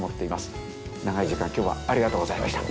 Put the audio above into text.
長い時間今日はありがとうございました。